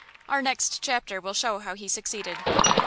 Our next chapter will show how he succeeded.